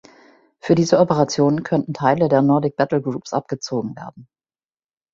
Für diese Operation könnten Teile der Nordic Battle Groups abgezogen werden.